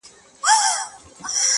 ښكلو ته كاته اكثر.